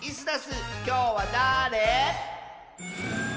きょうはだれ？